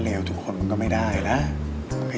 สามารถรับชมได้ทุกวัย